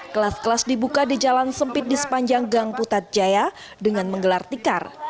kelas kelas dibuka di jalan sempit di sepanjang gang putrajaya dengan menggelar tikar